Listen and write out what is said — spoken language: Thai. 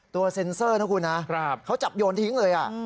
เซ็นเซอร์นะคุณนะเขาจับโยนทิ้งเลย